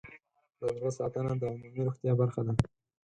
د زړه ساتنه د عمومي روغتیا برخه ده.